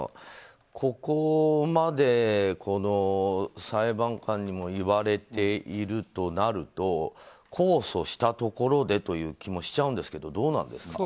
ここまで裁判官にも言われているとなると控訴したところでという気もしちゃうんですがどうなんですか？